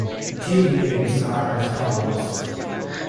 The team names are as follows.